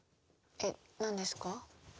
え何ですか？